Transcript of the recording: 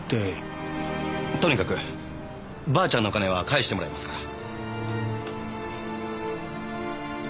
とにかくばあちゃんの金は返してもらいますから。